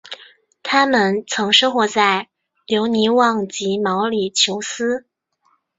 它们曾生活在留尼旺及毛里裘斯。